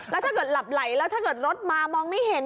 แล้วถ้าเกิดหลับไหลแล้วถ้าเกิดรถมามองไม่เห็น